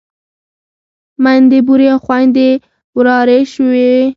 ميندې بورې او خويندې ورارې شوې وې.